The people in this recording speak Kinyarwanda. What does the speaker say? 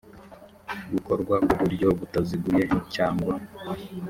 gukorwa ku buryo butaziguye cyangwa